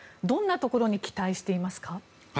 どんなところに期待していますか？